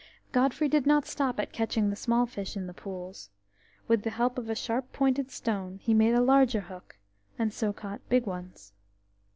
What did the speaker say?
Godfrey did not stop at catching the small fish in the pools. With the help of a sharp pointed stone, he made a larger hook, and so caught big ones.